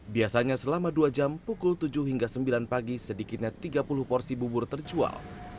biasanya selama dua jam pukul tujuh hingga sembilan pagi sedikitnya tiga puluh porsi bubur terjual